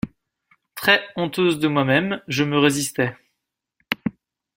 Très honteuse de moi-même, je me résistais.